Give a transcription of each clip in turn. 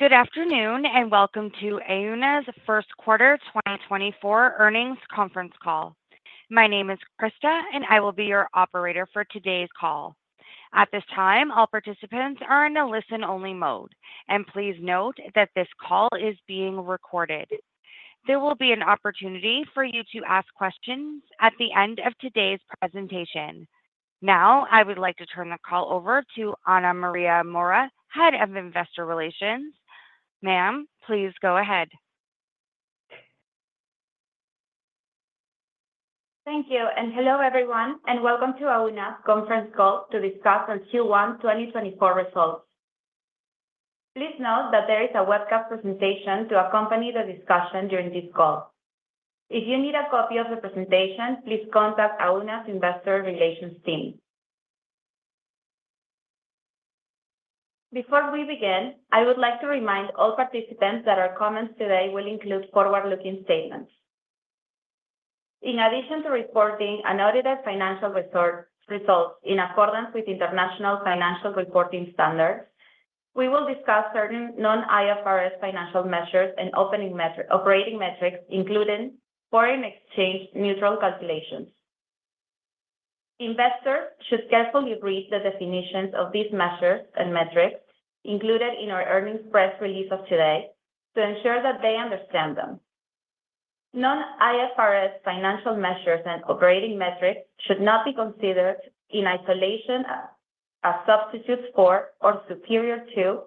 Good afternoon, and welcome to Auna's first quarter 2024 earnings conference call. My name is Krista, and I will be your operator for today's call. At this time, all participants are in a listen-only mode, and please note that this call is being recorded. There will be an opportunity for you to ask questions at the end of today's presentation. Now, I would like to turn the call over to Ana María Mora, Head of Investor Relations. Ma'am, please go ahead. Thank you, and hello, everyone, and welcome to Auna's conference call to discuss our Q1 2024 results. Please note that there is a webcast presentation to accompany the discussion during this call. If you need a copy of the presentation, please contact Auna's Investor Relations team. Before we begin, I would like to remind all participants that our comments today will include forward-looking statements. In addition to reporting unaudited financial results in accordance with International Financial Reporting Standards, we will discuss certain non-IFRS financial measures and operating metrics, including foreign exchange neutral calculations. Investors should carefully read the definitions of these measures and metrics included in our earnings press release of today to ensure that they understand them. Non-IFRS financial measures and operating metrics should not be considered in isolation as substitutes for or superior to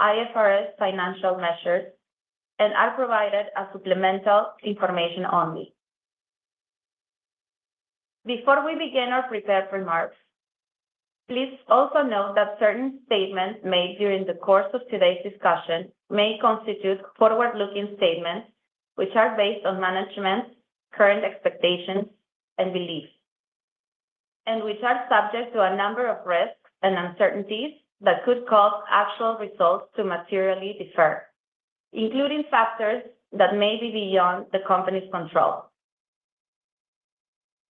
IFRS financial measures and are provided as supplemental information only. Before we begin our prepared remarks, please also note that certain statements made during the course of today's discussion may constitute forward-looking statements, which are based on management's current expectations and beliefs, and which are subject to a number of risks and uncertainties that could cause actual results to materially differ, including factors that may be beyond the company's control.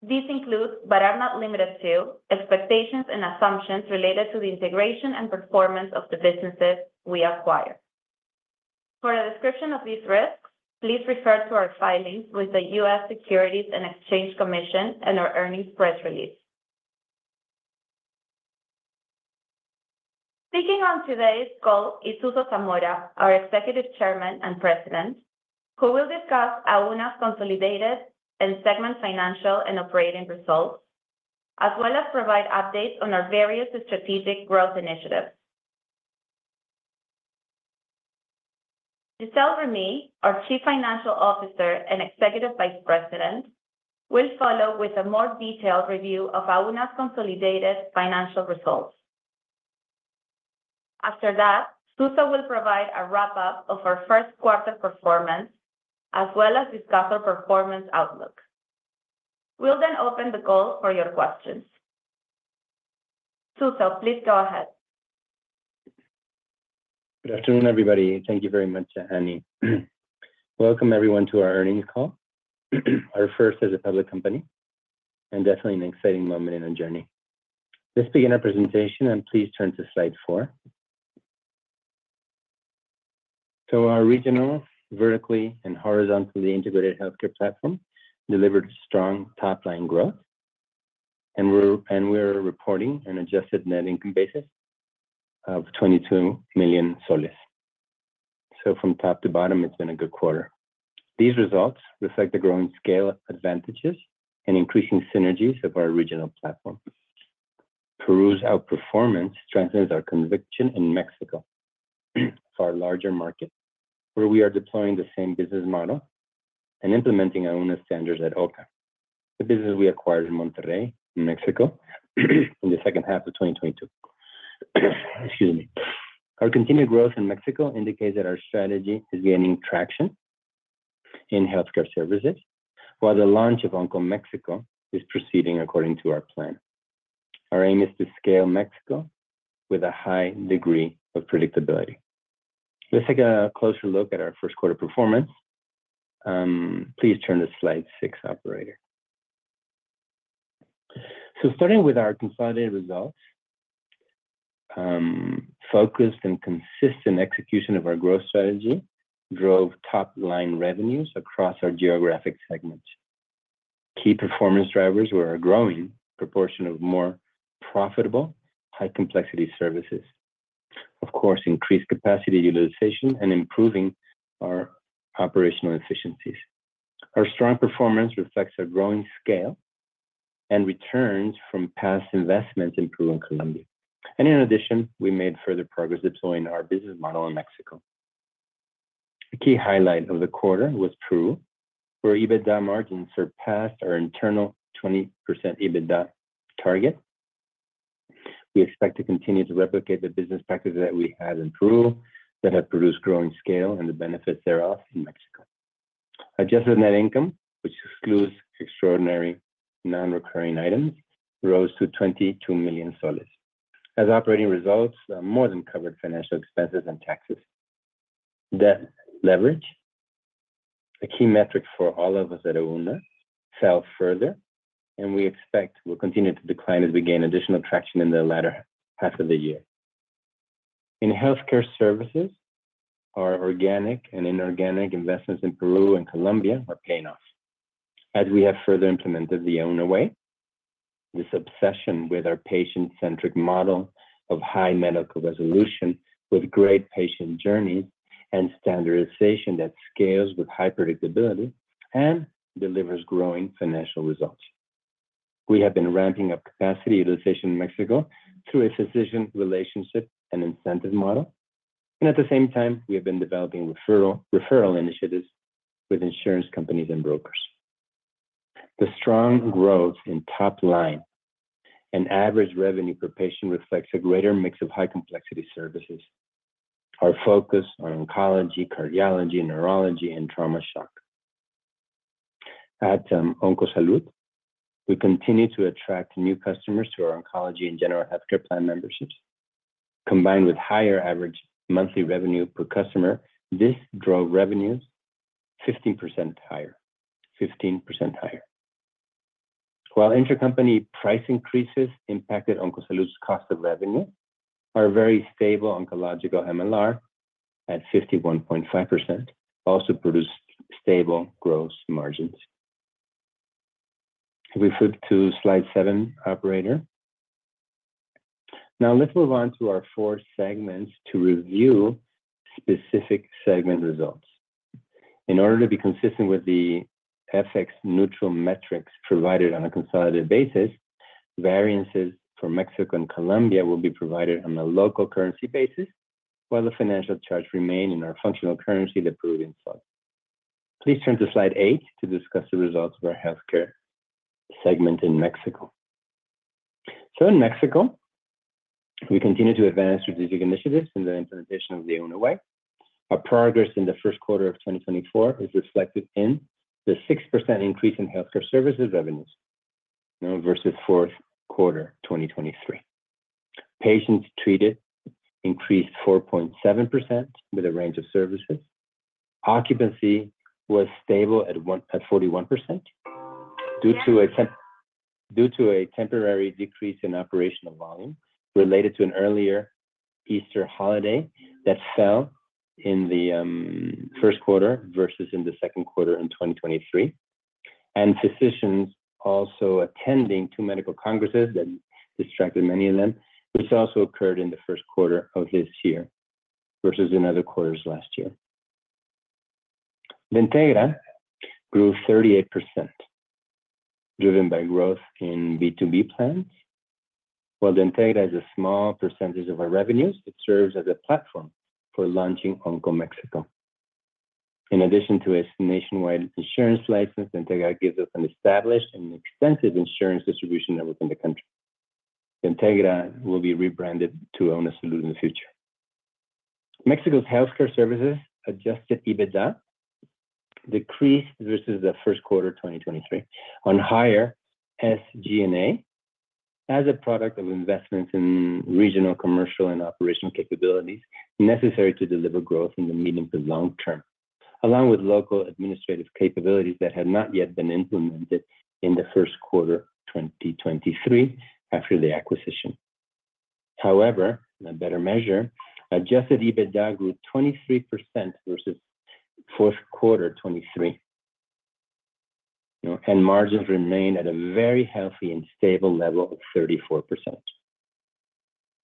These include, but are not limited to, expectations and assumptions related to the integration and performance of the businesses we acquire. For a description of these risks, please refer to our filings with the US Securities and Exchange Commission and our earnings press release. Speaking on today's call is Suso Zamora, our Executive Chairman and President, who will discuss Auna's consolidated and segment financial and operating results, as well as provide updates on our various strategic growth initiatives. Gisele Remy, our Chief Financial Officer and Executive Vice President, will follow with a more detailed review of Auna's consolidated financial results. After that, Suso will provide a wrap-up of our first quarter performance, as well as discuss our performance outlook. We'll then open the call for your questions. Suso, please go ahead. Good afternoon, everybody. Thank you very much, Annie. Welcome, everyone, to our earnings call, our first as a public company, and definitely an exciting moment in our journey. Let's begin our presentation, and please turn to slide 4. So our regional, vertically and horizontally integrated healthcare platform delivered strong top-line growth, and we're reporting an Adjusted Net Income basis of PEN 22 million. So from top to bottom, it's been a good quarter. These results reflect the growing scale advantages and increasing synergies of our regional platform. Peru's outperformance strengthens our conviction in Mexico, for our larger market, where we are deploying the same business model and implementing our own standards at OCA, the business we acquired in Monterrey, Mexico, in the second half of 2022. Excuse me. Our continued growth in Mexico indicates that our strategy is gaining traction in healthcare services, while the launch of Onco Mexico is proceeding according to our plan. Our aim is to scale Mexico with a high degree of predictability. Let's take a closer look at our first quarter performance. Please turn to slide 6, operator. So starting with our consolidated results, focused and consistent execution of our growth strategy drove top-line revenues across our geographic segments. Key performance drivers were a growing proportion of more profitable, high-complexity services. Of course, increased capacity utilization and improving our operational efficiencies. Our strong performance reflects a growing scale and returns from past investments in Peru and Colombia. And in addition, we made further progress deploying our business model in Mexico. A key highlight of the quarter was Peru, where EBITDA margins surpassed our internal 20% EBITDA target. We expect to continue to replicate the business practices that we had in Peru that have produced growing scale and the benefits thereof in Mexico. Adjusted net income, which excludes extraordinary non-recurring items, rose to PEN 22 million, as operating results more than covered financial expenses and taxes. Debt leverage, a key metric for all of us at Auna, fell further, and we expect will continue to decline as we gain additional traction in the latter half of the year. In healthcare services, our organic and inorganic investments in Peru and Colombia are paying off. As we have further implemented The Auna Way, this obsession with our patient-centric model of high medical resolution, with great patient journeys and standardization that scales with high predictability and delivers growing financial results. We have been ramping up capacity utilization in Mexico through a physician relationship and incentive model, and at the same time, we have been developing referral, referral initiatives with insurance companies and brokers. The strong growth in top line and average revenue per patient reflects a greater mix of high complexity services. Our focus on oncology, cardiology, neurology, and trauma shock. At Oncosalud, we continue to attract new customers to our oncology and general healthcare plan memberships. Combined with higher average monthly revenue per customer, this drove revenues 15% higher. 15% higher. While intercompany price increases impacted Oncosalud's cost of revenue, our very stable oncological MLR at 51.5%, also produced stable gross margins. Can we flip to slide seven, operator? Now, let's move on to our four segments to review specific segment results. In order to be consistent with the FX neutral metrics provided on a consolidated basis, variances for Mexico and Colombia will be provided on a local currency basis, while the financial charts remain in our functional currency, the Peruvian sol. Please turn to slide 8 to discuss the results of our healthcare segment in Mexico. So in Mexico, we continue to advance strategic initiatives and the implementation of The Auna Way. Our progress in the first quarter of 2024 is reflected in the 6% increase in healthcare services revenues versus fourth quarter, 2023. Patients treated increased 4.7% with a range of services. Occupancy was stable at 41%. Due to a temporary decrease in operational volume related to an earlier Easter holiday that fell in the first quarter versus in the second quarter in 2023, and physicians also attending two medical congresses that distracted many of them, which also occurred in the first quarter of this year versus in other quarters last year. Integra grew 38%, driven by growth in B2B plans, while Integra is a small percentage of our revenues, it serves as a platform for launching Onco Mexico. In addition to its nationwide insurance license, Integra gives us an established and extensive insurance distribution network in the country. Integra will be rebranded to Oncosalud in the future. Mexico's healthcare services adjusted EBITDA decreased versus the first quarter of 2023 on higher SG&A as a product of investments in regional, commercial, and operational capabilities necessary to deliver growth in the medium to long term, along with local administrative capabilities that had not yet been implemented in the first quarter of 2023 after the acquisition. However, in a better measure, adjusted EBITDA grew 23% versus fourth quarter 2023. You know, and margins remain at a very healthy and stable level of 34%.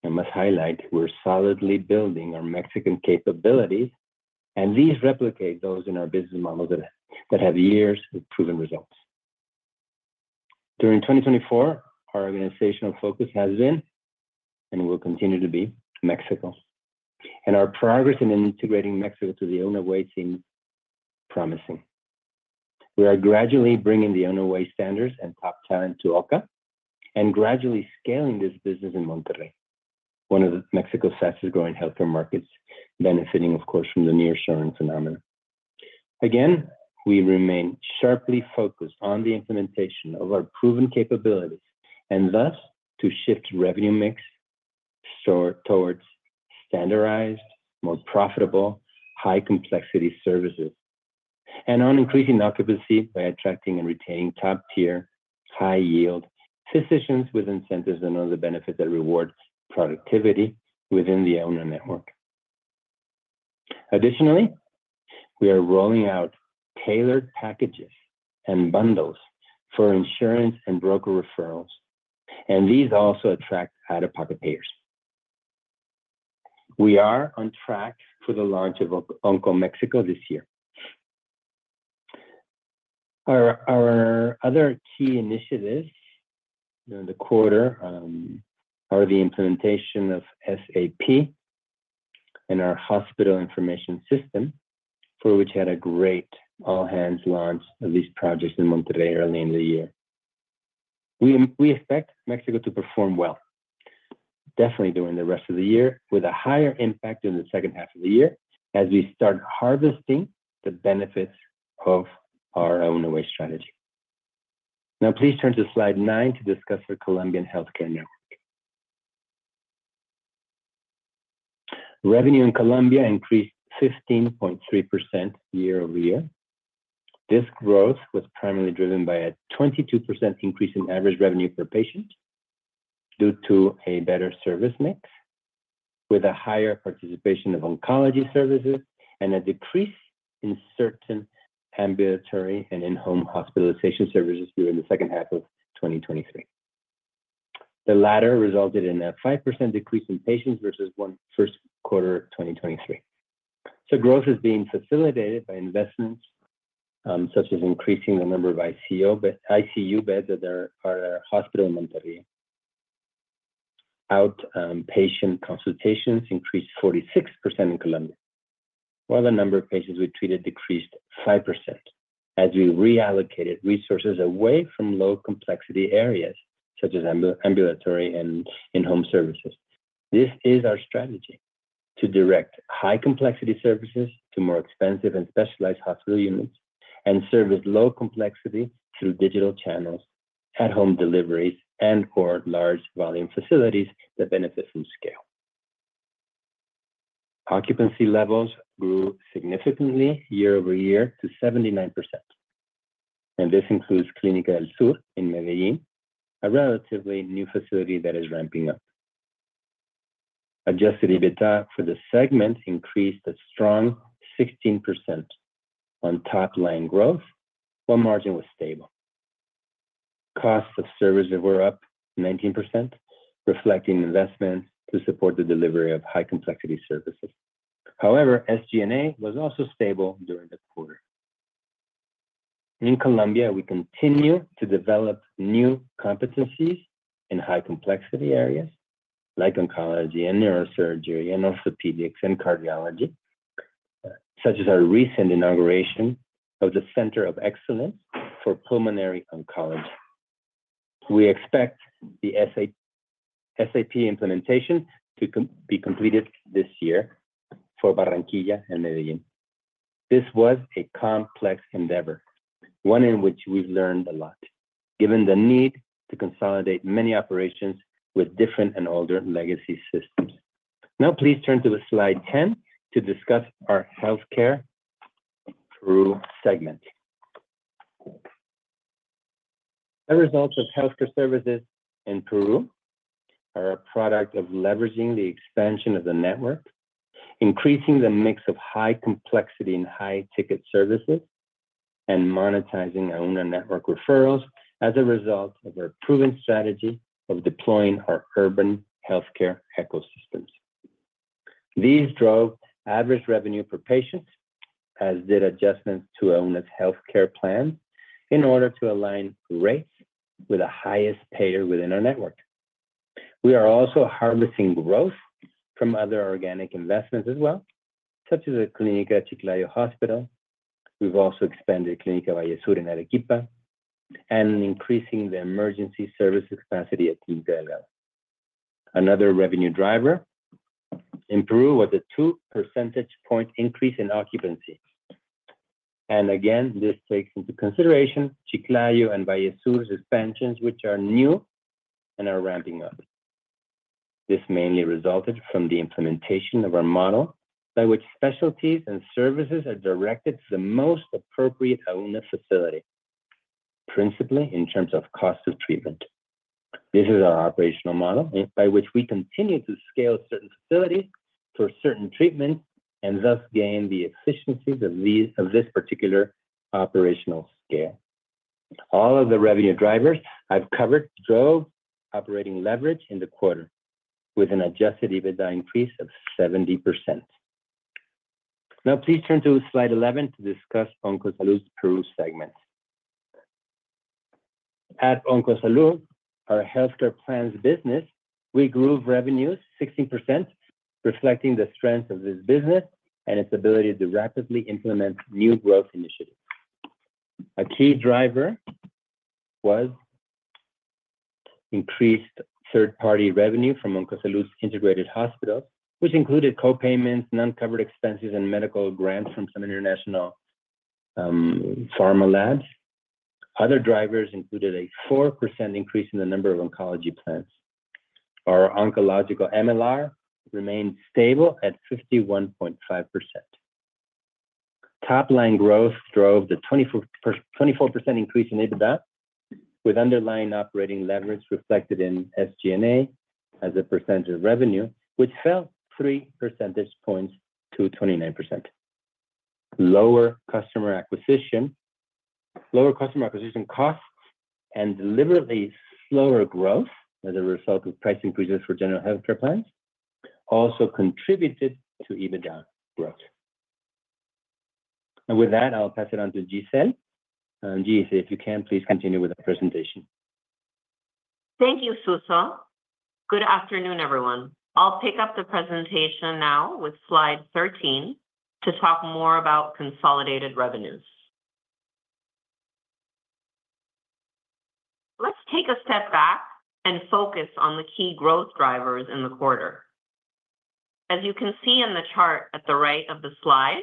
I must highlight, we're solidly building our Mexican capabilities, and these replicate those in our business model that, that have years of proven results. During 2024, our organizational focus has been, and will continue to be, Mexico, and our progress in integrating Mexico to The Auna Way seems promising. We are gradually bringing The Auna Way standards and top talent to OCA, and gradually scaling this business in Monterrey, one of Mexico's fastest-growing healthcare markets, benefiting, of course, from the nearshoring phenomenon. Again, we remain sharply focused on the implementation of our proven capabilities and thus, to shift revenue mix towards standardized, more profitable, high complexity services, and on increasing occupancy by attracting and retaining top-tier, high-yield physicians with incentives and other benefits that reward productivity within the Auna network. Additionally, we are rolling out tailored packages and bundles for insurance and broker referrals, and these also attract out-of-pocket payers. We are on track for the launch of Onco Mexico this year. Our, our other key initiatives during the quarter are the implementation of SAP and our hospital information system, for which we had a great all-hands launch of these projects in Monterrey early in the year. We expect Mexico to perform well, definitely during the rest of the year, with a higher impact in the second half of the year as we start harvesting the benefits of our Auna Way strategy. Now, please turn to slide nine to discuss the Colombian healthcare network. Revenue in Colombia increased 15.3% year-over-year. This growth was primarily driven by a 22% increase in average revenue per patient, due to a better service mix, with a higher participation of oncology services and a decrease in certain ambulatory and in-home hospitalization services during the second half of 2023. The latter resulted in a 5% decrease in patients versus the first quarter of 2023. So growth is being facilitated by investments, such as increasing the number of ICU beds at our hospital in Monterrey. Outpatient consultations increased 46% in Colombia, while the number of patients we treated decreased 5%, as we reallocated resources away from low complexity areas such as ambulatory and in-home services. This is our strategy: to direct high complexity services to more expensive and specialized hospital units, and service low complexity through digital channels, at-home deliveries, and/or large volume facilities that benefit from scale. Occupancy levels grew significantly year-over-year to 79%, and this includes Clínica del Sur in Medellín, a relatively new facility that is ramping up. Adjusted EBITDA for the segment increased a strong 16% on top line growth, while margin was stable. Costs of services were up 19%, reflecting investment to support the delivery of high complexity services. However, SG&A was also stable during the quarter. In Colombia, we continue to develop new competencies in high complexity areas like oncology and neurosurgery, and orthopedics, and cardiology, such as our recent inauguration of the Center of Excellence for Pulmonary Oncology. We expect the SAP implementation to be completed this year for Barranquilla and Medellín. This was a complex endeavor, one in which we've learned a lot, given the need to consolidate many operations with different and older legacy systems. Now, please turn to slide 10 to discuss our healthcare Peru segment. The results of healthcare services in Peru are a product of leveraging the expansion of the network, increasing the mix of high complexity and high ticket services, and monetizing our Auna network referrals as a result of our proven strategy of deploying our urban healthcare ecosystems. These drove average revenue per patient, as did adjustments to Auna's healthcare plan, in order to align rates with the highest payer within our network. We are also harvesting growth from other organic investments as well, such as a Clínica Chiclayo hospital. We've also expanded Clínica Vallesur in Arequipa, and increasing the emergency services capacity at Integra. Another revenue driver in Peru was a 2 percentage point increase in occupancy. And again, this takes into consideration Chiclayo and Vallesur expansions, which are new and are ramping up. This mainly resulted from the implementation of our model, by which specialties and services are directed to the most appropriate Auna facility, principally in terms of cost of treatment. This is our operational model, and by which we continue to scale certain facilities for certain treatments, and thus gain the efficiencies of these, of this particular operational scale. All of the revenue drivers I've covered drove operating leverage in the quarter, with an Adjusted EBITDA increase of 70%. Now, please turn to slide 11 to discuss Oncosalud's Peru segment. At Oncosalud, our healthcare plans business, we grew revenues 60%, reflecting the strength of this business and its ability to rapidly implement new growth initiatives. A key driver was increased third-party revenue from Oncosalud's integrated hospitals, which included co-payments, non-covered expenses, and medical grants from some international pharma labs. Other drivers included a 4% increase in the number of oncology plans. Our oncological MLR remained stable at 51.5%. Top line growth drove the 24% increase in EBITDA, with underlying operating leverage reflected in SG&A as a percentage of revenue, which fell three percentage points to 29%. Lower customer acquisition costs and deliberately slower growth as a result of price increases for general healthcare plans, also contributed to EBITDA growth. With that, I'll pass it on to Gisele. Gisele, if you can, please continue with the presentation. Thank you, Suso. Good afternoon, everyone. I'll pick up the presentation now with slide 13 to talk more about consolidated revenues. Let's take a step back and focus on the key growth drivers in the quarter. As you can see in the chart at the right of the slide,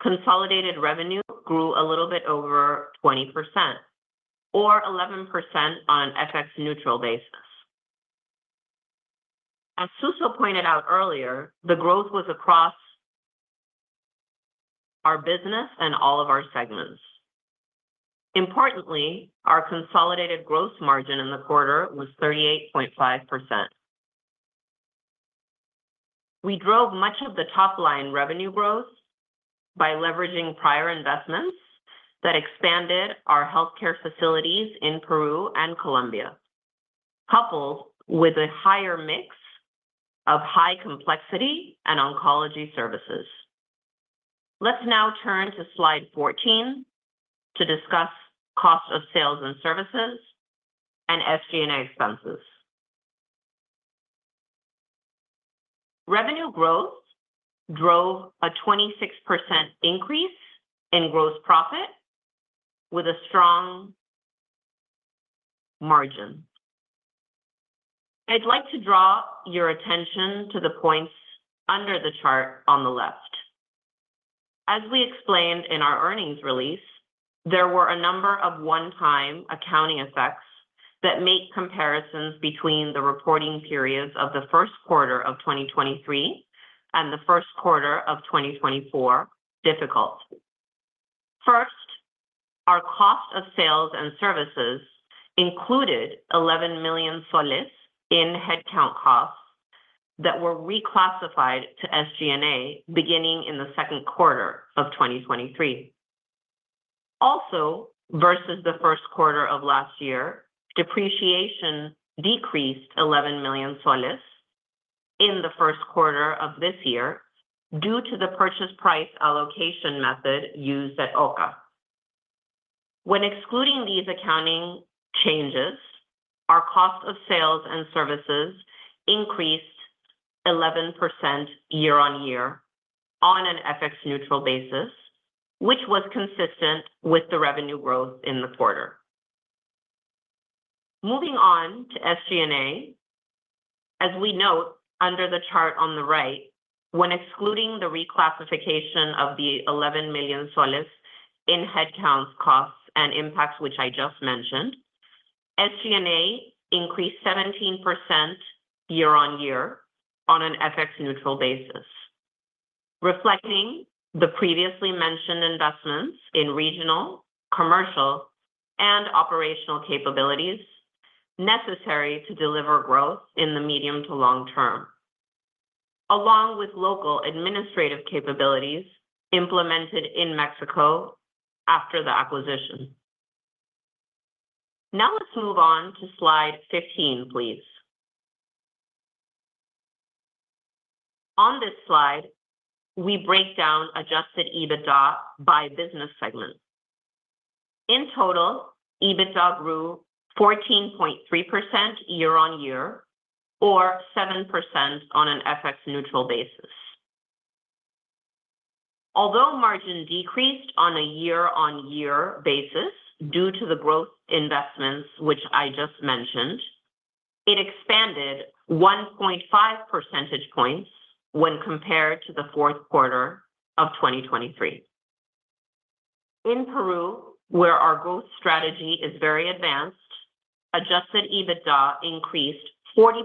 consolidated revenue grew a little bit over 20%... or 11% on FX neutral basis. As Suso pointed out earlier, the growth was across our business and all of our segments. Importantly, our consolidated gross margin in the quarter was 38.5%. We drove much of the top-line revenue growth by leveraging prior investments that expanded our healthcare facilities in Peru and Colombia, coupled with a higher mix of high complexity and oncology services. Let's now turn to slide 14 to discuss cost of sales and services and SG&A expenses. Revenue growth drove a 26% increase in gross profit with a strong margin. I'd like to draw your attention to the points under the chart on the left. As we explained in our earnings release, there were a number of one-time accounting effects that make comparisons between the reporting periods of the first quarter of 2023 and the first quarter of 2024 difficult. First, our cost of sales and services included 11 million PEN in headcount costs that were reclassified to SG&A, beginning in the second quarter of 2023. Also, versus the first quarter of last year, depreciation decreased 11 million PEN in the first quarter of this year, due to the purchase price allocation method used at OCA. When excluding these accounting changes, our cost of sales and services increased 11% year-on-year on an FX-neutral basis, which was consistent with the revenue growth in the quarter. Moving on to SG&A, as we note under the chart on the right, when excluding the reclassification of PEN 11 million in headcounts, costs, and impacts, which I just mentioned, SG&A increased 17% year-on-year on an FX-neutral basis, reflecting the previously mentioned investments in regional, commercial, and operational capabilities necessary to deliver growth in the medium to long term, along with local administrative capabilities implemented in Mexico after the acquisition. Now, let's move on to slide 15, please. On this slide, we break down adjusted EBITDA by business segment. In total, EBITDA grew 14.3% year-on-year, or 7% on an FX-neutral basis. Although margin decreased on a year-on-year basis due to the growth investments, which I just mentioned, it expanded 1.5 percentage points when compared to the fourth quarter of 2023. In Peru, where our growth strategy is very advanced, Adjusted EBITDA increased 40%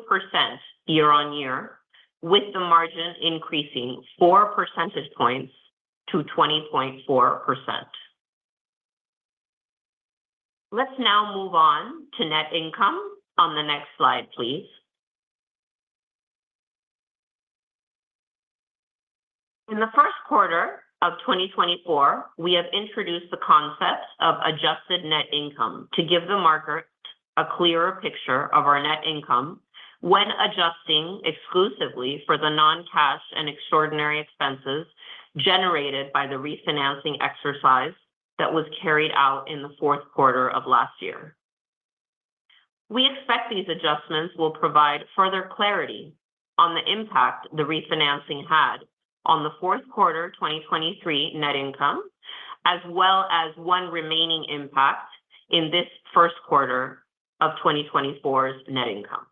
year-on-year, with the margin increasing 4 percentage points to 20.4%. Let's now move on to net income on the next slide, please. In the first quarter of 2024, we have introduced the concept of Adjusted Net Income to give the market a clearer picture of our net income when adjusting exclusively for the non-cash and extraordinary expenses generated by the refinancing exercise that was carried out in the fourth quarter of last year. We expect these adjustments will provide further clarity on the impact the refinancing had on the fourth quarter 2023 net income, as well as one remaining impact in this first quarter of 2024's net income.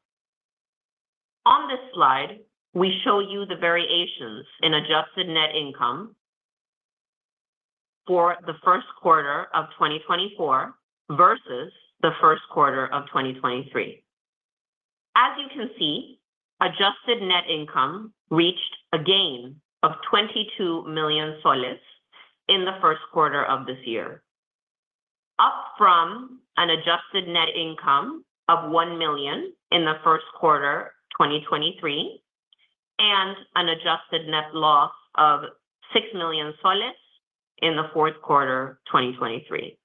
On this slide, we show you the variations in Adjusted Net Income for the first quarter of 2024 versus the first quarter of 2023. As you can see, Adjusted Net Income reached a gain of PEN 22 million in the first quarter of this year, up from an Adjusted Net Income of PEN 1 million in the first quarter, 2023, and an Adjusted Net Loss of PEN 6 million in the fourth quarter, 2023.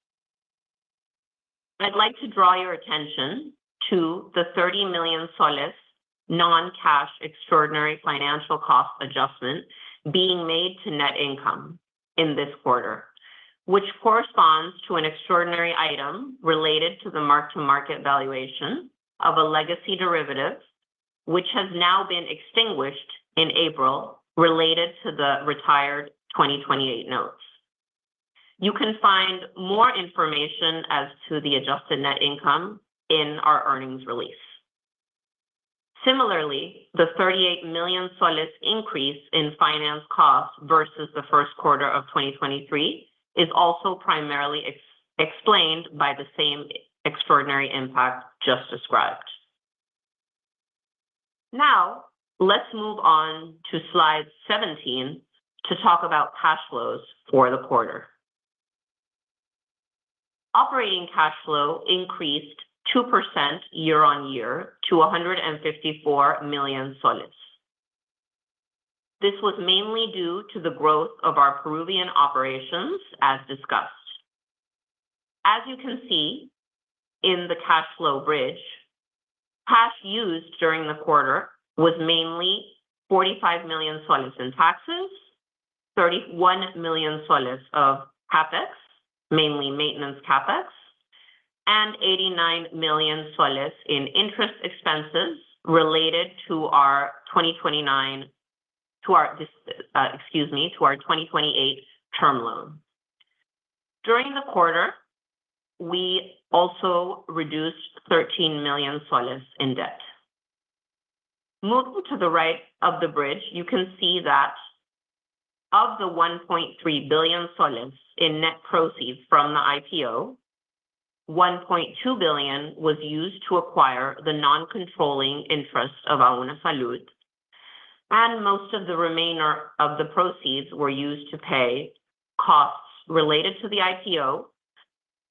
I'd like to draw your attention to the PEN 30 million non-cash extraordinary financial cost adjustment being made to net income in this quarter, which corresponds to an extraordinary item related to the mark-to-market valuation of a legacy derivative, which has now been extinguished in April, related to the retired 2028 notes. You can find more information as to the adjusted net income in our earnings release. Similarly, the PEN 38 million increase in finance costs versus the first quarter of 2023 is also primarily explained by the same extraordinary impact just described. Now, let's move on to slide 17 to talk about cash flows for the quarter. Operating cash flow increased 2% year-over-year to PEN 154 million. This was mainly due to the growth of our Peruvian operations, as discussed. As you can see in the cash flow bridge, cash used during the quarter was mainly PEN 45 million in taxes, PEN 31 million of CapEx, mainly maintenance CapEx, and PEN 89 million in interest expenses related to our 2029, to our, excuse me, to our 2028 term loan. During the quarter, we also reduced PEN 13 million in debt. Moving to the right of the bridge, you can see that of the PEN 1.3 billion in net proceeds from the IPO, PEN 1.2 billion was used to acquire the non-controlling interest of Oncosalud, and most of the remainder of the proceeds were used to pay costs related to the IPO,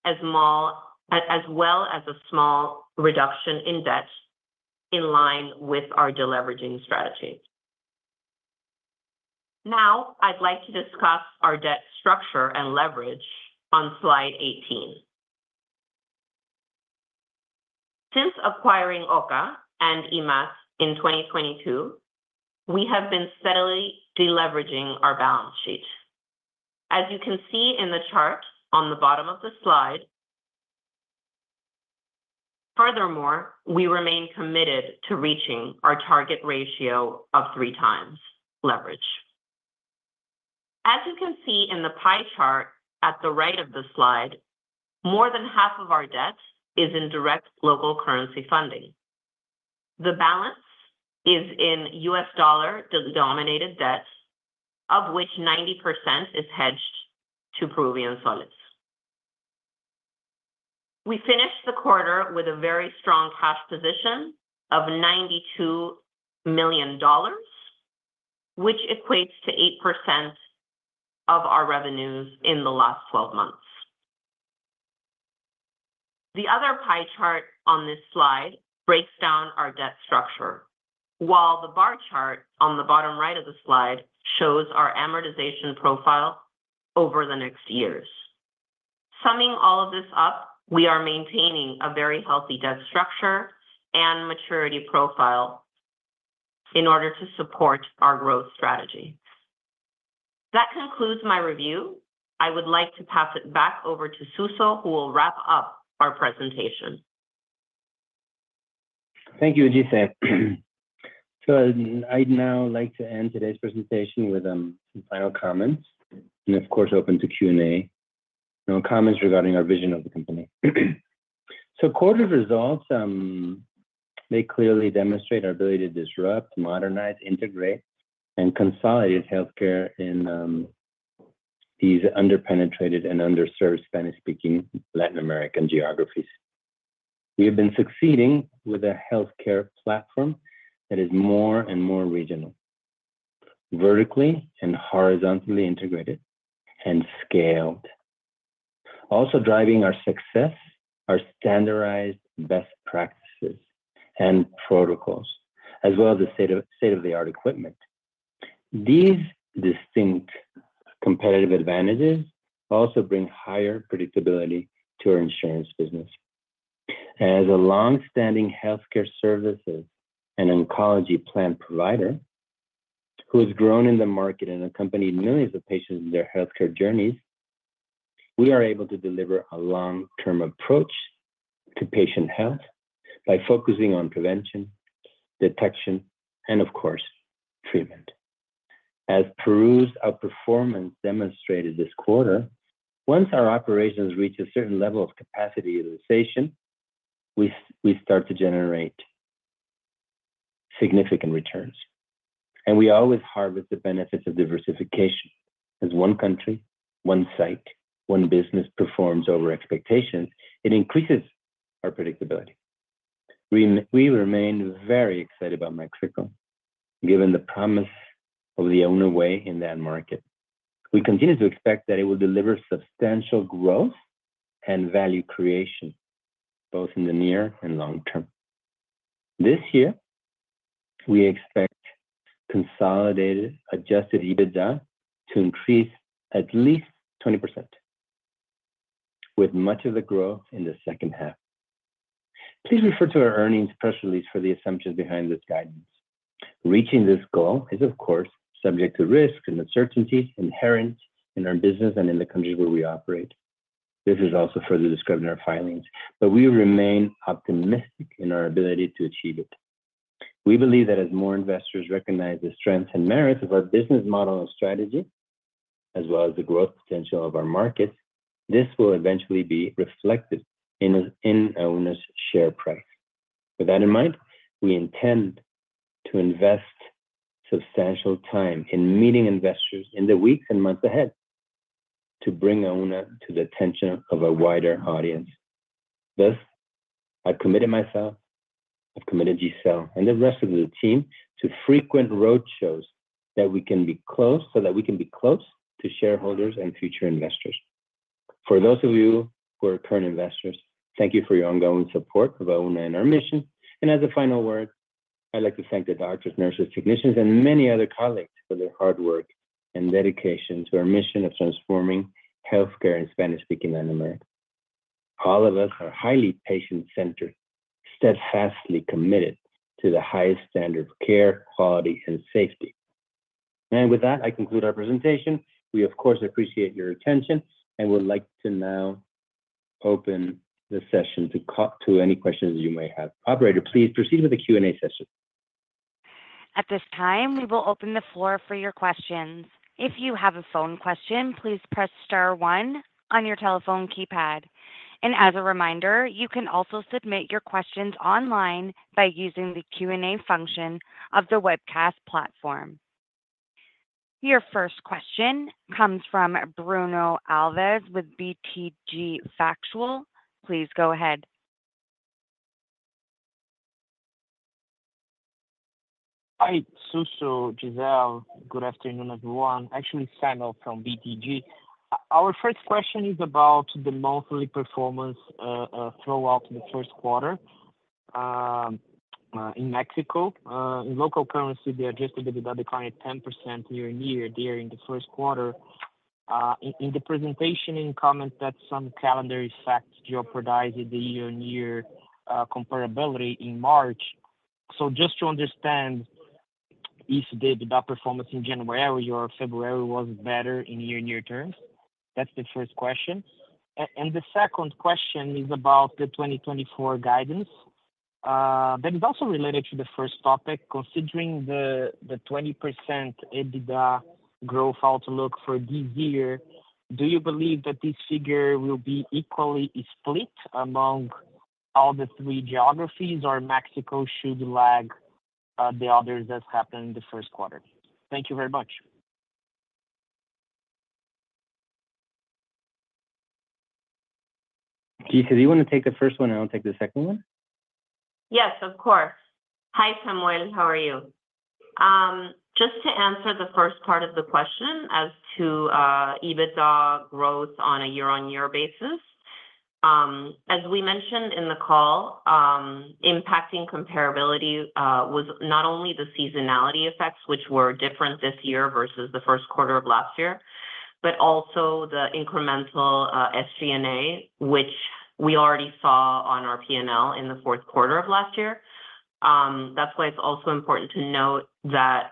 as small, as well as a small reduction in debt in line with our deleveraging strategy. Now, I'd like to discuss our debt structure and leverage on slide 18. Since acquiring OCA and EPS in 2022, we have been steadily deleveraging our balance sheet. As you can see in the chart on the bottom of the slide... furthermore, we remain committed to reaching our target ratio of 3x leverage. As you can see in the pie chart at the right of the slide, more than half of our debt is in direct local currency funding. The balance is in U.S. dollar-denominated debt, of which 90% is hedged to Peruvian soles. We finished the quarter with a very strong cash position of $92 million, which equates to 8% of our revenues in the last twelve months. The other pie chart on this slide breaks down our debt structure, while the bar chart on the bottom right of the slide shows our amortization profile over the next years. Summing all of this up, we are maintaining a very healthy debt structure and maturity profile in order to support our growth strategy. That concludes my review. I would like to pass it back over to Suso, who will wrap up our presentation. Thank you, Gise. So I'd now like to end today's presentation with some final comments, and of course, open to Q&A. Now, comments regarding our vision of the company. So quarter results, they clearly demonstrate our ability to disrupt, modernize, integrate, and consolidate healthcare in these under-penetrated and underserved Spanish-speaking Latin American geographies. We have been succeeding with a healthcare platform that is more and more regional, vertically and horizontally integrated and scaled. Also driving our success are standardized best practices and protocols, as well as state-of-the-art equipment. These distinct competitive advantages also bring higher predictability to our insurance business. As a long-standing healthcare services and oncology plan provider who has grown in the market and accompanied millions of patients in their healthcare journeys, we are able to deliver a long-term approach to patient health by focusing on prevention, detection, and of course, treatment. As per usual, our performance demonstrated this quarter, once our operations reach a certain level of capacity utilization, we start to generate significant returns, and we always harvest the benefits of diversification. As one country, one site, one business performs over expectations, it increases our predictability. We remain very excited about Mexico, given the promise of The Auna Way in that market. We continue to expect that it will deliver substantial growth and value creation, both in the near and long term. This year, we expect consolidated Adjusted EBITDA to increase at least 20%, with much of the growth in the second half. Please refer to our earnings press release for the assumptions behind this guidance. Reaching this goal is, of course, subject to risk and uncertainties inherent in our business and in the countries where we operate. This is also further described in our filings, but we remain optimistic in our ability to achieve it. We believe that as more investors recognize the strengths and merits of our business model and strategy, as well as the growth potential of our market, this will eventually be reflected in Auna's share price. With that in mind, we intend to invest substantial time in meeting investors in the weeks and months ahead to bring Auna to the attention of a wider audience. Thus, I've committed myself, I've committed Gisele and the rest of the team to frequent roadshows, so that we can be close to shareholders and future investors. For those of you who are current investors, thank you for your ongoing support of Auna and our mission. As a final word, I'd like to thank the doctors, nurses, technicians, and many other colleagues for their hard work and dedication to our mission of transforming healthcare in Spanish-speaking Latin America. All of us are highly patient-centered, steadfastly committed to the highest standard of care, quality, and safety. With that, I conclude our presentation. We, of course, appreciate your attention, and would like to now open the session to any questions you may have. Operator, please proceed with the Q&A session. At this time, we will open the floor for your questions. If you have a phone question, please press star one on your telephone keypad. As a reminder, you can also submit your questions online by using the Q&A function of the webcast platform. Your first question comes from Samuel Alves with BTG Pactual. Please go ahead. Hi, Suso, Gisele. Good afternoon, everyone. Actually, Samuel from BTG. Our first question is about the monthly performance throughout the first quarter in Mexico. In local currency, the adjusted EBITDA declined 10% year-over-year during the first quarter. In the presentation, in comment that some calendar effects jeopardized the year-over-year comparability in March. So just to understand, if the EBITDA performance in January or February was better in year-over-year terms. That's the first question. And the second question is about the 2024 guidance. That is also related to the first topic. Considering the 20% EBITDA growth outlook for this year, do you believe that this figure will be equally split among all the three geographies, or Mexico should lag the others, as happened in the first quarter? Thank you very much. Gisele, do you want to take the first one, and I'll take the second one? Yes, of course. Hi, Samuel, how are you? Just to answer the first part of the question as to EBITDA growth on a year-on-year basis. As we mentioned in the call, impacting comparability was not only the seasonality effects, which were different this year versus the first quarter of last year, but also the incremental SG&A, which we already saw on our P&L in the fourth quarter of last year. That's why it's also important to note that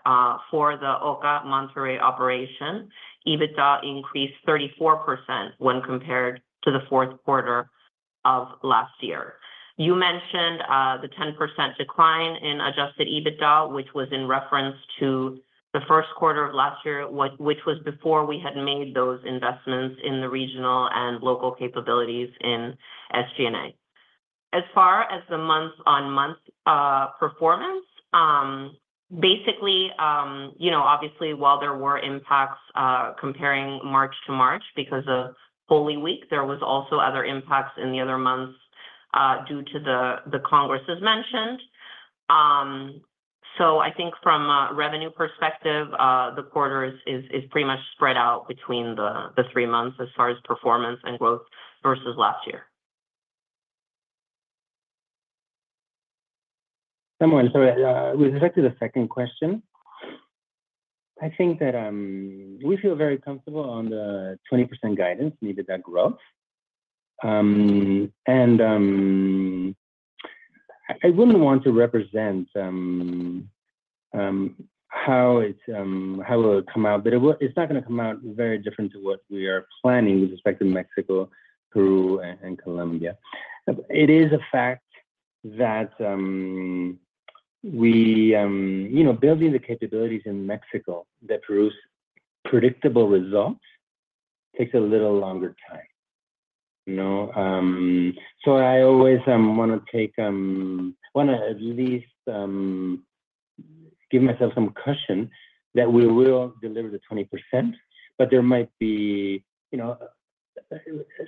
for the OCA Monterrey operation, EBITDA increased 34% when compared to the fourth quarter of last year. You mentioned the 10% decline in adjusted EBITDA, which was in reference to the first quarter of last year, which was before we had made those investments in the regional and local capabilities in SG&A. As far as the month-on-month performance, basically, you know, obviously, while there were impacts, comparing March to March because of Holy Week, there was also other impacts in the other months, due to the congress, as mentioned. So I think from a revenue perspective, the quarter is pretty much spread out between the three months as far as performance and growth versus last year. Sorry, with respect to the second question, I think that we feel very comfortable on the 20% guidance in EBITDA growth. And I wouldn't want to represent how it will come out, but it will—it's not gonna come out very different to what we are planning with respect to Mexico, Peru, and Colombia. It is a fact that. You know, building the capabilities in Mexico that produce predictable results takes a little longer time, you know? So I always wanna at least give myself some cushion that we will deliver the 20%, but there might be, you know,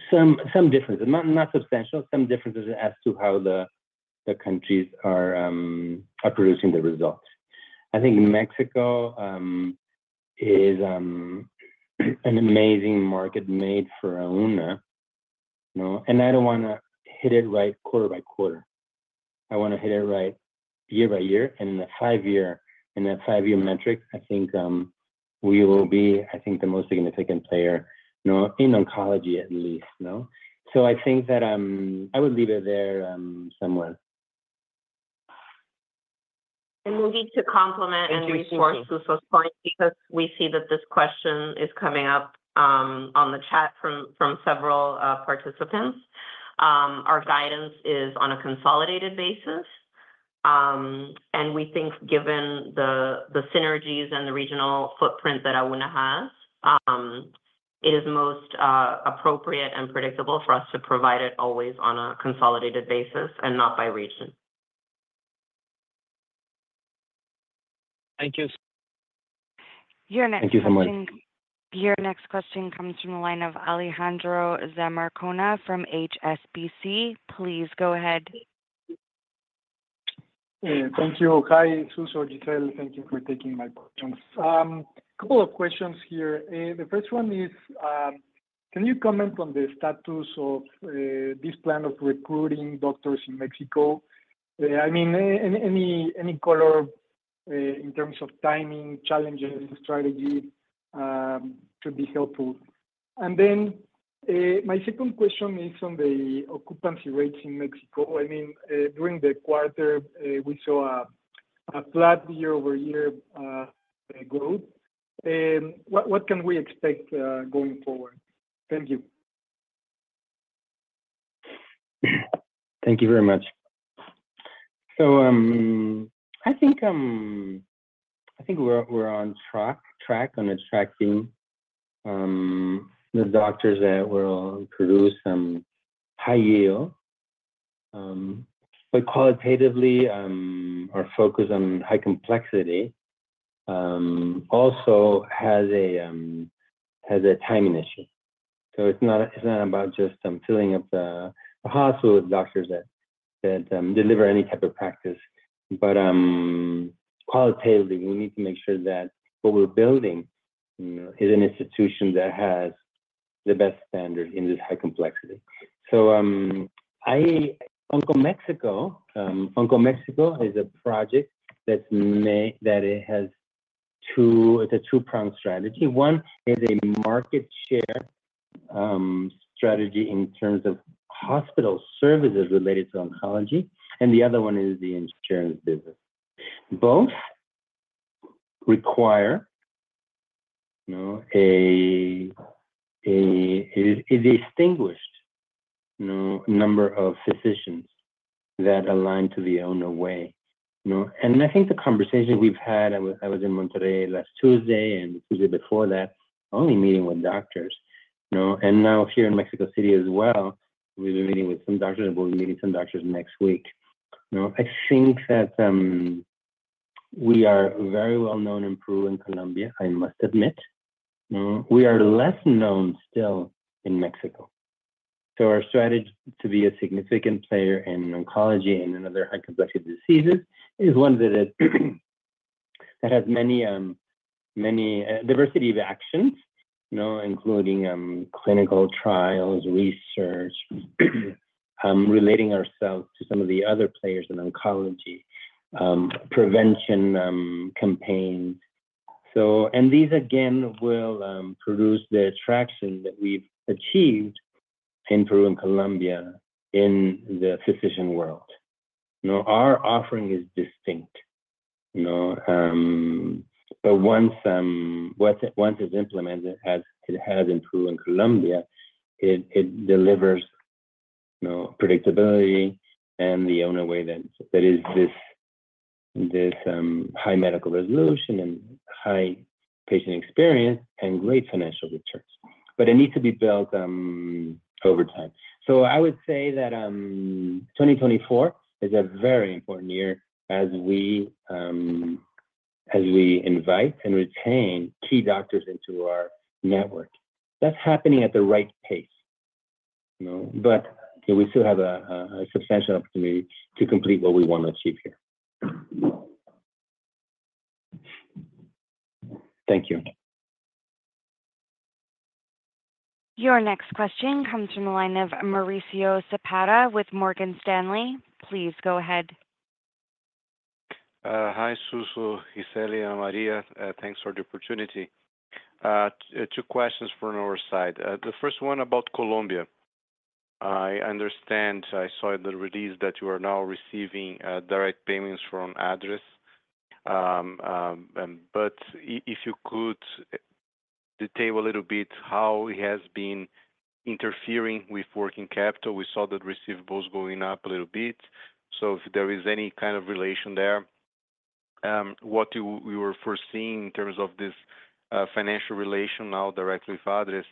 some differences, not substantial, some differences as to how the countries are producing the results. I think Mexico is an amazing market made for Auna, you know? And I don't wanna hit it right quarter by quarter. I wanna hit it right year by year, and in the five-year metric, I think we will be, I think, the most significant player, you know, in oncology, at least, no? So I think that I would leave it there somewhere. Moving to complement- Thank you, Gisele. And reinforce Suso's point, because we see that this question is coming up, on the chat from several participants. Our guidance is on a consolidated basis, and we think given the synergies and the regional footprint that Auna has, it is most appropriate and predictable for us to provide it always on a consolidated basis and not by region. Thank you. Your next- Thank you so much. Your next question comes from the line of Alejandro Zamacona from HSBC. Please go ahead. Thank you. Hi, Suso, Gisele, thank you for taking my questions. Couple of questions here. The first one is, can you comment on the status of, this plan of recruiting doctors in Mexico? I mean, any color, in terms of timing, challenges, strategy, should be helpful. And then, my second question is on the occupancy rates in Mexico. I mean, during the quarter, we saw a flat year-over-year growth. What can we expect, going forward? Thank you. Thank you very much. So, I think, I think we're, we're on track on attracting the doctors that will produce some high yield. But qualitatively, our focus on high complexity also has a timing issue. So it's not about just filling up the hospital with doctors that deliver any type of practice, but qualitatively, we need to make sure that what we're building, you know, is an institution that has the best standard in this high complexity. So, Onco Mexico, Onco Mexico is a project that's made that it has two. It's a two-pronged strategy. One is a market share strategy in terms of hospital services related to oncology, and the other one is the insurance business. Both require, you know, a distinguished, you know, number of physicians that align to the Auna Way. You know, and I think the conversation we've had, I was in Monterrey last Tuesday and Tuesday before that, only meeting with doctors, you know? And now here in Mexico City as well, we've been meeting with some doctors, and we'll be meeting some doctors next week. You know, I think that, we are very well known in Peru and Colombia, I must admit. We are less known still in Mexico. So our strategy to be a significant player in oncology and in other high complexity diseases is one that, that has many, many, diversity of actions, you know, including, clinical trials, research, relating ourselves to some of the other players in oncology, prevention, campaigns. These again will produce the attraction that we've achieved in Peru and Colombia in the physician world. You know, our offering is distinct, you know. But once it's implemented, as it has in Peru and Colombia, it delivers, you know, predictability and the Auna Way that is this high medical resolution and high patient experience and great financial returns. But it needs to be built over time. So I would say that 2024 is a very important year as we invite and retain key doctors into our network. That's happening at the right pace, you know, but we still have a substantial opportunity to complete what we want to achieve here. Thank you. Your next question comes from the line of Mauricio Zapata with Morgan Stanley. Please go ahead. Hi, Suso, Gisele, and María, thanks for the opportunity. Two questions from our side. The first one about Colombia. I understand, I saw in the release that you are now receiving direct payments from ADRES. But if you could detail a little bit how it has been interfering with working capital. We saw the receivables going up a little bit, so if there is any kind of relation there, what you were foreseeing in terms of this financial relation now directly with ADRES.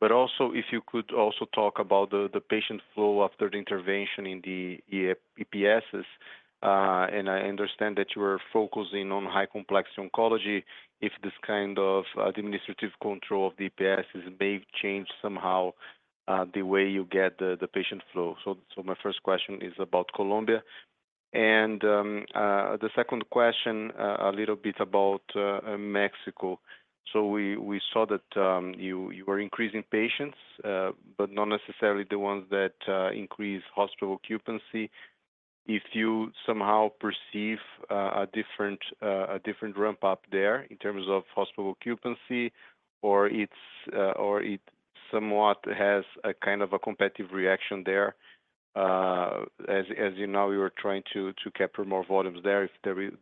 But also, if you could also talk about the patient flow after the intervention in the EPSs. And I understand that you are focusing on high complexity oncology, if this kind of administrative control of the EPSs may change somehow the way you get the patient flow. So, my first question is about Colombia. The second question, a little bit about Mexico. So we saw that you were increasing patients, but not necessarily the ones that increase hospital occupancy. If you somehow perceive a different ramp up there in terms of hospital occupancy or it somewhat has a kind of a competitive reaction there, as you know, we were trying to capture more volumes there, if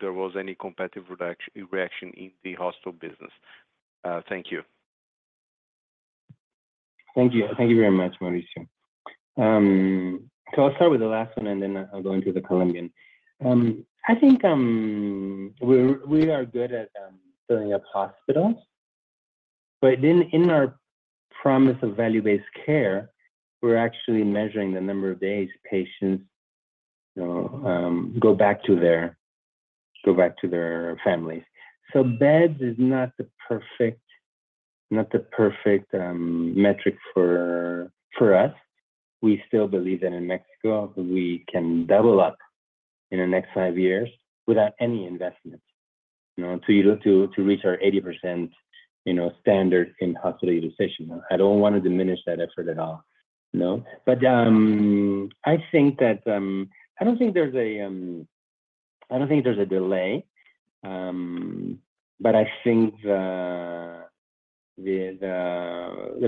there was any competitive reaction in the hospital business. Thank you. Thank you. Thank you very much, Mauricio. So I'll start with the last one, and then I'll go into the Colombian. I think we're good at building up hospitals. But in our promise of value-based care, we're actually measuring the number of days patients, you know, go back to their families. So beds is not the perfect metric for us. We still believe that in Mexico, we can double up in the next five years without any investment, you know, to reach our 80% standard in hospital utilization. I don't want to diminish that effort at all, you know? But I think that... I don't think there's a delay. But I think the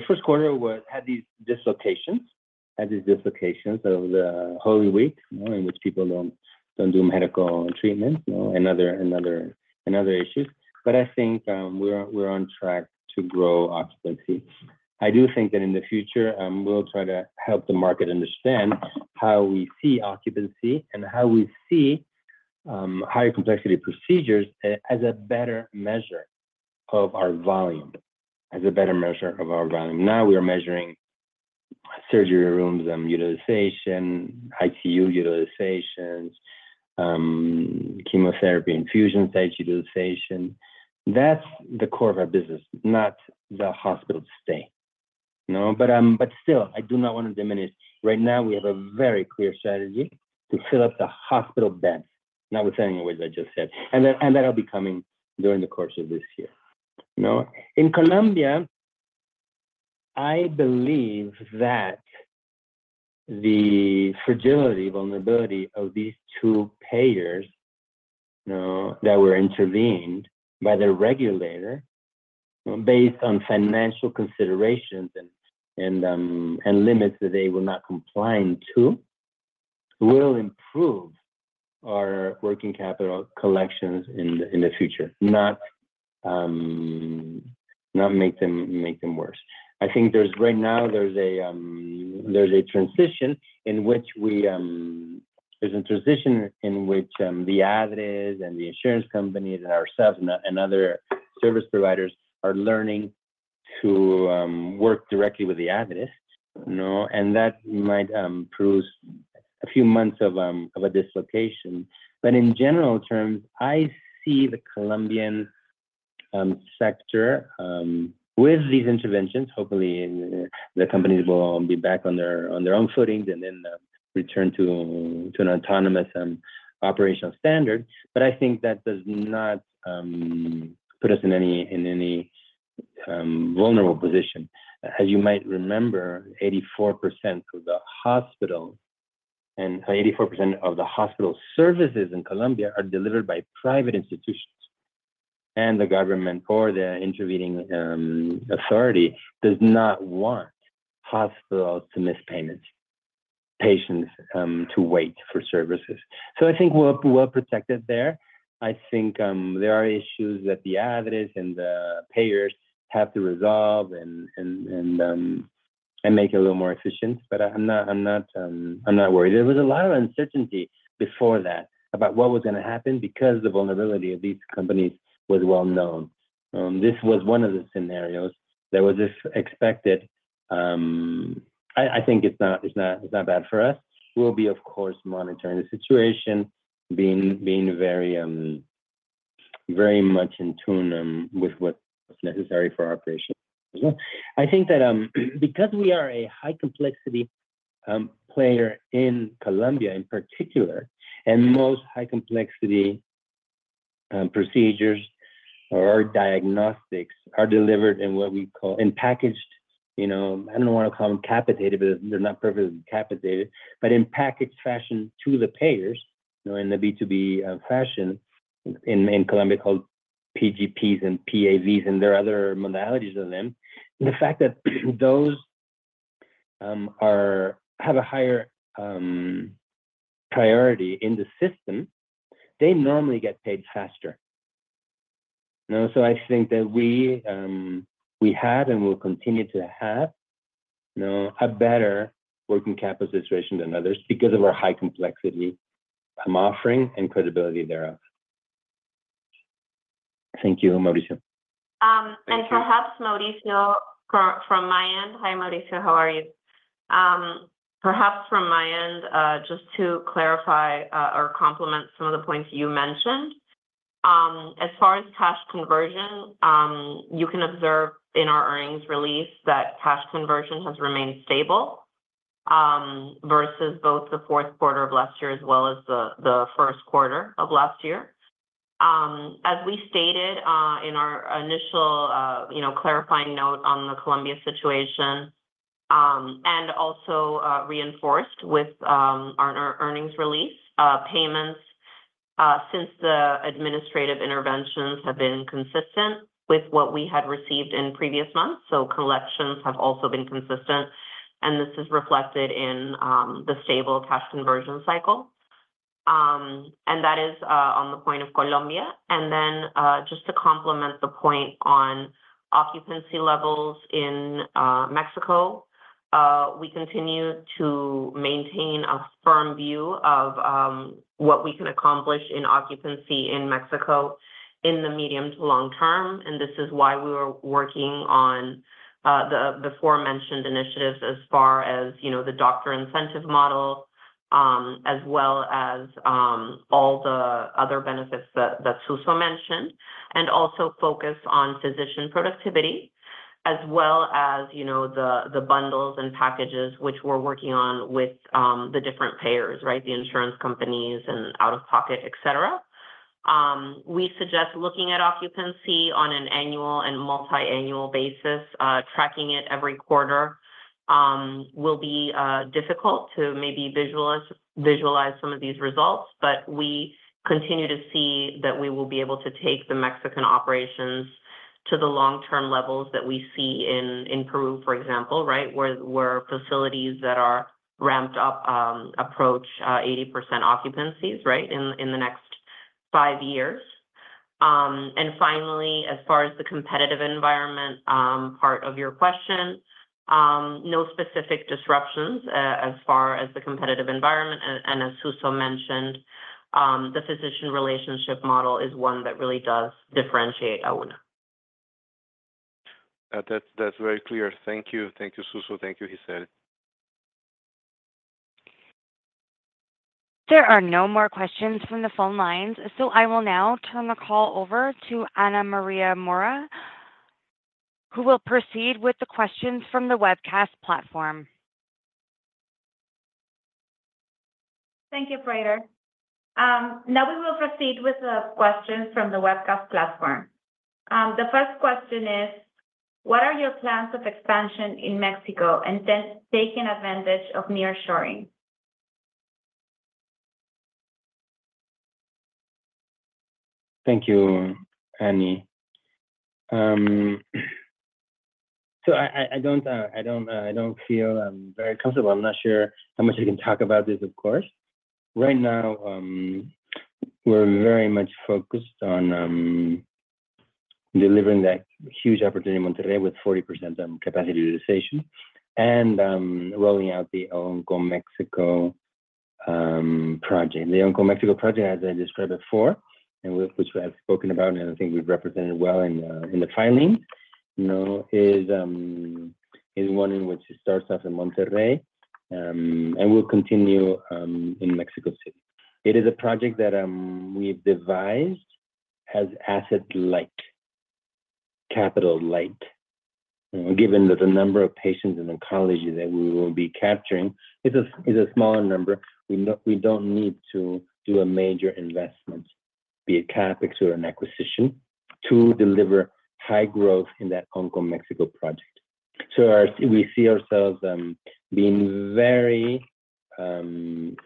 first quarter was—had these dislocations, had these dislocations of the Holy Week, you know, in which people don't do medical treatment, you know, and other issues. But I think, we're on track to grow occupancy. I do think that in the future, we'll try to help the market understand how we see occupancy and how we see higher complexity procedures as a better measure of our volume, as a better measure of our volume. Now, we are measuring surgery rooms utilization, ICU utilizations, chemotherapy infusion site utilization. That's the core of our business, not the hospital stay. You know? But still, I do not want to diminish. Right now, we have a very clear strategy to fill up the hospital beds, not with anything the words I just said. And that, and that'll be coming during the course of this year. You know, in Colombia, I believe that the fragility, vulnerability of these two payers, you know, that were intervened by the regulator based on financial considerations and limits that they were not complying to, will improve our working capital collections in the future, not make them worse. I think there's a transition in which the ADRES and the insurance companies and ourselves and other service providers are learning to work directly with the ADRES, you know, and that might prove a few months of a dislocation. In general terms, I see the Colombian sector with these interventions. Hopefully, the companies will be back on their, on their own footings and then return to an autonomous and operational standard. I think that does not put us in any vulnerable position. As you might remember, 84% of the hospital services in Colombia are delivered by private institutions, and the government or the intervening authority does not want hospitals to miss payments, patients to wait for services. I think we're protected there. I think there are issues that the ADRES and the payers have to resolve and make it a little more efficient, but I'm not worried. There was a lot of uncertainty before that about what was gonna happen because the vulnerability of these companies was well known. This was one of the scenarios that was expected. I think it's not bad for us. We'll be, of course, monitoring the situation, being very much in tune with what's necessary for our patients as well. I think that, because we are a high complexity player in Colombia, in particular, and most high complexity procedures or diagnostics are delivered in what we call... in packaged, you know, I don't want to call them capitated, but they're not perfectly capitated, but in packaged fashion to the payers, you know, in the B2B fashion, in Colombia, called PGPs and PAVs, and there are other modalities of them. The fact that those have a higher priority in the system, they normally get paid faster. You know, so I think that we, we had and will continue to have, you know, a better working capital situation than others because of our high complexity offering and credibility thereof. Thank you, Mauricio. And perhaps Mauricio, from my end... Hi, Mauricio, how are you? Perhaps from my end, just to clarify, or complement some of the points you mentioned. As far as cash conversion, you can observe in our earnings release that cash conversion has remained stable, versus both the fourth quarter of last year as well as the first quarter of last year. As we stated, in our initial, you know, clarifying note on the Colombia situation, and also, reinforced with on our earnings release, payments since the administrative interventions have been consistent with what we had received in previous months. So collections have also been consistent... and this is reflected in the stable cash conversion cycle. And that is on the point of Colombia. And then, just to complement the point on occupancy levels in Mexico, we continue to maintain a firm view of what we can accomplish in occupancy in Mexico in the medium to long term, and this is why we were working on the aforementioned initiatives as far as, you know, the doctor incentive model, as well as all the other benefits that Suso mentioned. Also focus on physician productivity as well as, you know, the bundles and packages which we're working on with the different payers, right? The insurance companies and out-of-pocket, et cetera. We suggest looking at occupancy on an annual and multi-annual basis. Tracking it every quarter will be difficult to maybe visualize some of these results. But we continue to see that we will be able to take the Mexican operations to the long-term levels that we see in Peru, for example, right? Where facilities that are ramped up approach 80% occupancies, right, in the next five years. And finally, as far as the competitive environment, part of your question, no specific disruptions, as far as the competitive environment. And as Suso mentioned, the physician relationship model is one that really does differentiate Auna. That's, that's very clear. Thank you. Thank you, Suso. Thank you, Gisele. There are no more questions from the phone lines, so I will now turn the call over to Ana María Mora, who will proceed with the questions from the webcast platform. Thank you, Fraser. Now we will proceed with the questions from the webcast platform. The first question is, what are your plans of expansion in Mexico, and then taking advantage of nearshoring? Thank you, Annie. So I don't feel very comfortable. I'm not sure how much I can talk about this, of course. Right now, we're very much focused on delivering that huge opportunity in Monterrey with 40% on capacity utilization and rolling out the Onco Mexico project. The Onco Mexico project, as I described before, and which I've spoken about, and I think we've represented well in the filing, you know, is one in which it starts off in Monterrey and will continue in Mexico City. It is a project that we've devised as asset light, capital light. Given that the number of patients in oncology that we will be capturing is a smaller number, we don't need to do a major investment, be it CapEx or an acquisition, to deliver high growth in that Onco Mexico project. So we see ourselves being very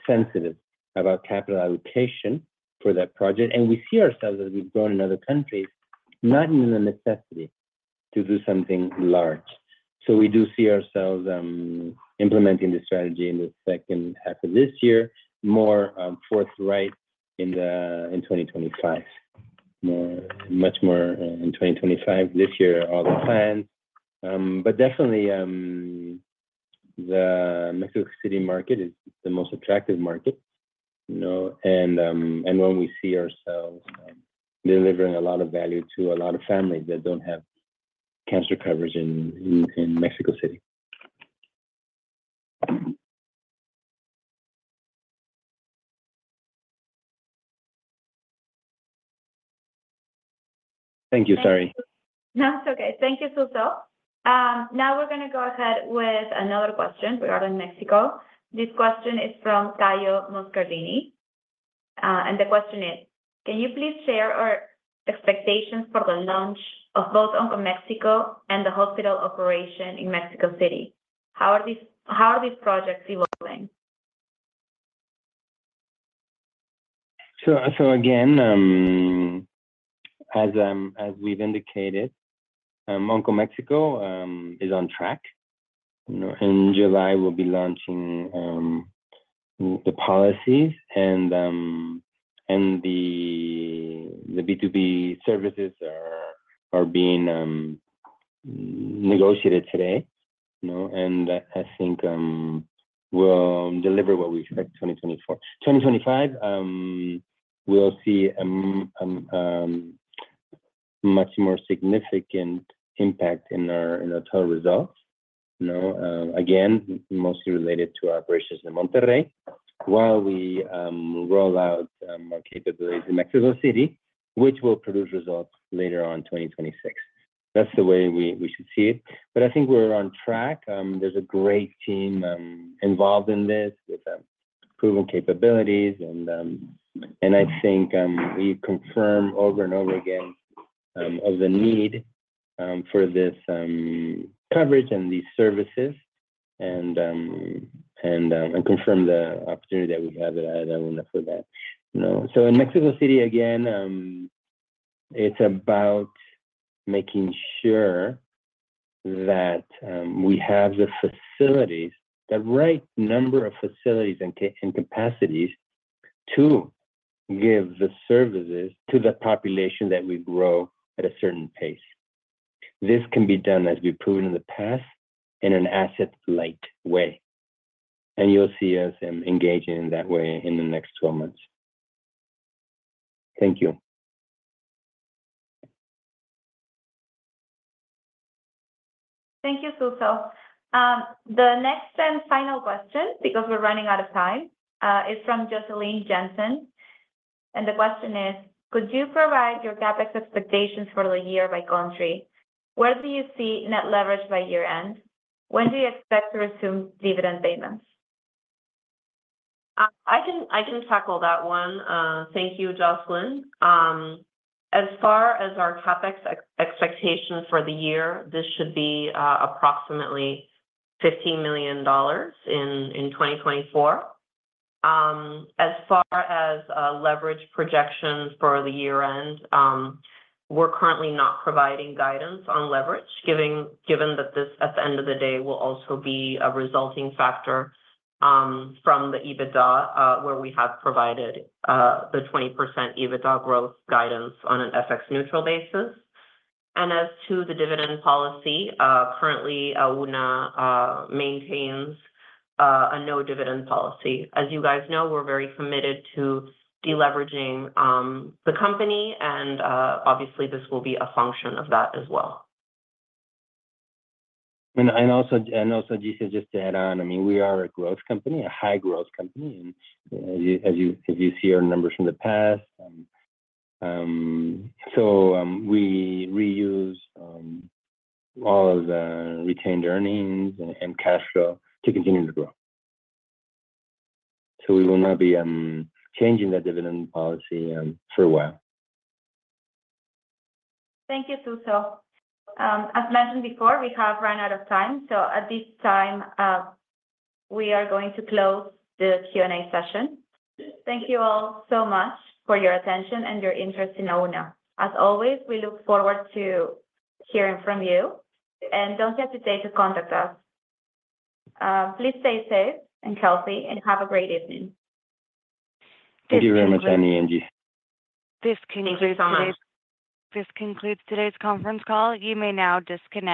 sensitive about capital allocation for that project, and we see ourselves as we've grown in other countries, not in the necessity to do something large. So we do see ourselves implementing this strategy in the second half of this year, more forthright in the, in 2025. More, much more, in 2025. This year, all the plans. But definitely, the Mexico City market is the most attractive market, you know, and when we see ourselves delivering a lot of value to a lot of families that don't have cancer coverage in Mexico City. Thank you. Sorry. No, it's okay. Thank you, Suso. Now we're gonna go ahead with another question regarding Mexico. This question is from Caio Moscardini, and the question is: Can you please share our expectations for the launch of both Onco Mexico and the hospital operation in Mexico City? How are these projects evolving? So again, as we've indicated, Onco Mexico is on track. You know, in July, we'll be launching the policies and the B2B services are being negotiated today, you know, and I think we'll deliver what we expect in 2024. 2025, we'll see a much more significant impact in our total results. You know, again, mostly related to our operations in Monterrey, while we roll out our capabilities in Mexico City, which will produce results later on in 2026. That's the way we should see it, but I think we're on track. There's a great team involved in this with proven capabilities and I think we confirm over and over again of the need for this coverage and these services and confirm the opportunity that we have at Auna for that, you know? So in Mexico City, again, it's about making sure that we have the facilities, the right number of facilities and capacities to give the services to the population that we grow at a certain pace. This can be done, as we've proven in the past, in an asset-light way, and you'll see us engaging in that way in the next 12 months. Thank you. Thank you, Suso. The next and final question, because we're running out of time, is from Jocelyne Jensen, and the question is: Could you provide your CapEx expectations for the year by country? Where do you see net leverage by year-end? When do you expect to resume dividend payments? I can tackle that one. Thank you, Jocelyne. As far as our CapEx expectation for the year, this should be approximately $15 million in 2024. As far as leverage projections for the year-end, we're currently not providing guidance on leverage, given that this, at the end of the day, will also be a resulting factor from the EBITDA, where we have provided the 20% EBITDA growth guidance on an FX neutral basis. As to the dividend policy, currently, Auna maintains a no dividend policy. As you guys know, we're very committed to de-leveraging the company, and obviously, this will be a function of that as well. Giselle, just to add on, I mean, we are a growth company, a high-growth company, and as you see our numbers from the past. So we reuse all of the retained earnings and cash flow to continue to grow. So we will not be changing the dividend policy for a while. Thank you, Suso. As mentioned before, we have run out of time, so at this time, we are going to close the Q&A session. Thank you all so much for your attention and your interest in Auna. As always, we look forward to hearing from you, and don't hesitate to contact us. Please stay safe and healthy, and have a great evening. Thank you very much, Angie. Thank you so much. This concludes today's conference call. You may now disconnect.